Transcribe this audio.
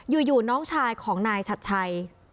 อยู่น้องชายของนายชัดชัย